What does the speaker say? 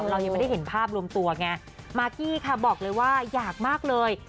เรายังไม่ได้เห็นภาพรวมตัวไงมากกี้ค่ะบอกเลยว่าอยากมากเลย